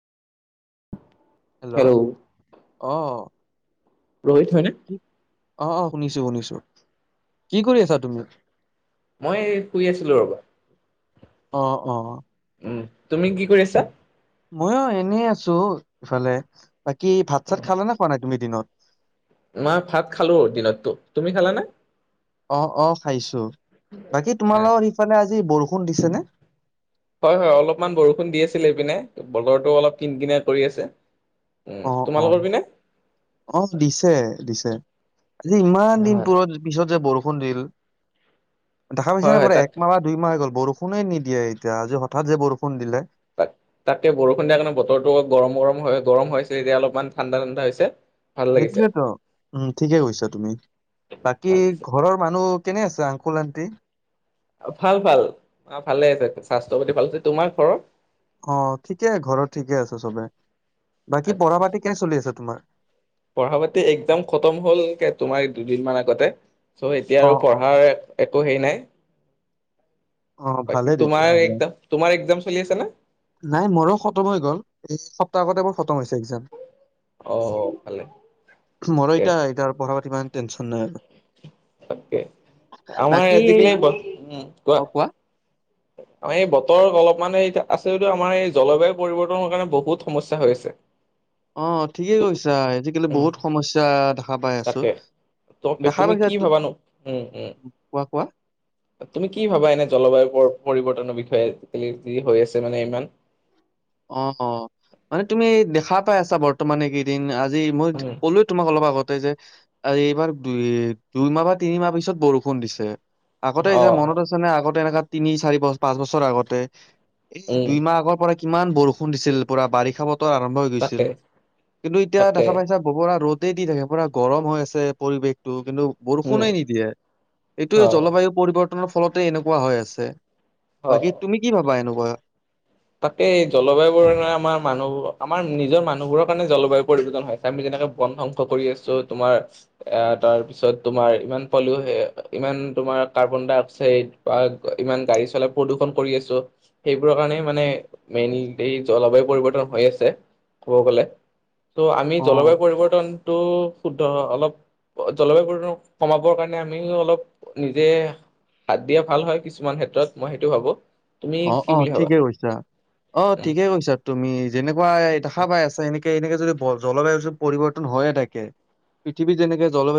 Hello অ ৰোহিত হয়নে? কি অ' অ' শুনিছো শুনিছো কি কৰি আছা তুমি মই শুই আছিলো ৰ'বা অ অ উম তুমি কি কৰি আছা ময়ো এনেই আছো ইফালে বাকী ভাত চাত খালা নে খোৱা নাই তুমি দিনত মই ভাত খালো দিনততো তুমি খালানে অ অ খাইছো বাকী তোমালোকৰ সিফালে আজি বৰষুণ দিছে নে ফিলি পিনে বতৰটো অলপ কিনকিনাই কৰি আছে উম অ অ তোমালোকৰ পিনে অ দিছে দিছে আজি ইমান দিন হয় পুৰত পিছত যে বৰষুণ বৰষুণ দিল দেখা পাইছা নে হয় পোৱা তাক একমাহ বা দুইমাহ হৈ গ'ল বৰষুণ বৰষুণে নিদিয়ে এতিয়া আজি হঠাৎ যে বৰষুণ দিলে তাত তাকে বৰষুণ দিয়া কাৰণে বতৰটো অ গৰম গৰম হৈ গৰম হৈছে এতিয়া অলপমান ঠাণ্ডা ঠাণ্ডা হৈছে ভাল লাগিছে সেইটোয়েতো উম ঠিকে কৈছা তুমি বাকী আচ্ছা। ঘৰৰ মানুহ কেনে আছে আংকুল আণ্টি ভাল ভাল অ ভালে আছে স্বাস্থ্য পাতি ভাল আছে তোমাৰ ঘৰৰ অ', ঠিকে ঘৰত ঠিকে আছে চবে বাকী আচ্ছা পঢ়া পাতি কেনে চলি আছে তোমাৰ পঢ়া পাতি এক্জাম খতম হ'লগে তোমাৰ দুদিন মান আগতে ছ' এতিয়া অ আৰু অ পঢ়াৰ একো হেৰি নাই অ ভালে বাকি তোমাৰ তেতিয়াহ'লে। এক্জাম তোমাৰ এক্জাম চলি আছে নে নাই মোৰো খতম হৈ গ'ল এই সপ্তাহ আগতে মোৰ খতম হৈছে এক্জাম অ ভালে মোৰ তাকে এতিয়া এটা পঢ়া পাতি ইমান টেনচন নাই আৰু তাকে আমাৰ বাকী আজিকালি বাৰিষা উম কোৱা [inaudible] আমাৰ এই বতৰ অলপমানানে এতিয়া আছে যদি আমাৰ এই জলবায়ু পৰিৱৰ্তনৰ কাৰণে বহুত সমস্যা হৈ আছে অ ঠিকে কৈছা আজিকালি উম বহুত সমস্যা দেখা পাই আছো। তাকে ত দেখা তুমি পাইছা কি তো ভাবানো উম উম কোৱা কোৱা? তুমি কি ভাবা এনে জলবায়ু ওপৰত পৰিৱৰ্তনৰ বিষয়ে আজিকালি যি হৈ আছে মানে ইমান হা পাই আছা বৰ্তমানে কেইদিন আজি মই উম কলোই তোমাক অলপ আগতে যে আৰু এইবাৰ দুই দুইমাহ বা তিনিমাহ পিছত বৰষুণ দিছে আগতে অ যে মনত আছে নে আগতে এনেকা তিনি চাৰি পাঁচ বছৰ আগতে এই উম দুই মাহ আগৰ পৰা কিমান বৰষুণ দিছিল পুৰা বাৰিষা বতৰ ত আৰম্ভ হৈ গৈছিল তাকে কিন্তু এতিয়া তাকে দেখা পাইছা বগৰা ৰ'দ গোটেই দি থাকে পুৰা গৰম হৈ আছে পৰিৱেশটো কিন্তু উম বৰষুণে নিদিয়ে এইটো অ জলবায়ু পৰিৱৰ্তনৰ ফলতে এনেকুৱা হৈ আছে অ বাকী তুমি কি ভাবা এনেকুৱা তাকেই জলবায়ু বোৰ কাৰণে আমাৰ মানুহ আমাৰ নিজৰ মানুহবোৰৰ কাৰণে জলবায়ু পৰিৱৰ্তন হৈছে আমি যেনেকে বন ধ্বংস কৰি আছো তোমাৰ এ তাৰ পিছত তোমাৰ ইমান পালোে ইমান তোমাৰ অ' কাৰ্বনডাই অক্সাইড বা ইমান গাৰী চলে প্ৰদূষণ কৰি আছোঁ সেইবোৰৰ কাৰনে। মানে মেইন এই জলবায়ু পৰিৱৰ্তন হৈ আছে ক'ব গলে। ত' আমি অ জলবায়ু পৰিৱৰ্তনটো শুদ্ধ অলপ জলবায়ু পৰি কমাবৰ কাৰণে আমিও অলপ নিজে হাত দিয়া ভাল হয় কিছুমান ক্ষেত্ৰত মই সেইটো ভাবো তুমি অ কি অ বুলি ভাবা ঠিকে কৈছা অ ঠিকে কৈছা তুমি যেনেকুৱা দেখা পাই আছা এনেকে এনেে জলবায়ু চ পৰিৱৰ্তন হৈয়ে থাকে পৃথিৱী যেনেকে জলবায়ু